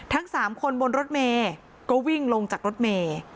ทั้ง๓คนบนรถเมย์ก็วิ่งลงจากรถเมย์